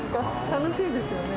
楽しいですよね。